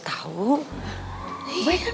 tau boy kan